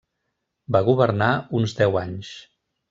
Va governar uns deu anys.